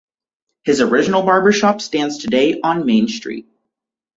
His original barbershop stands today on Main street.